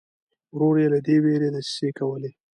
ورور یې له دې وېرې دسیسې کولې.